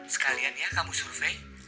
sekalian ya kamu survei